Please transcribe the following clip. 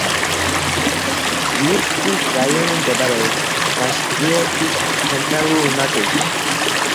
ბირსკის რაიონი მდებარეობს ბაშკირეთის ცენტრალურ ნაწილში.